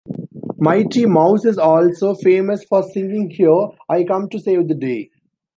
Mighty Mouse is also famous for singing Here I come to save the day!